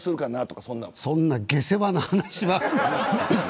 そんな下世話な話は。